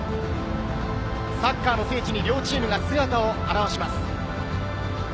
サッカーの聖地に両チームが姿を現します。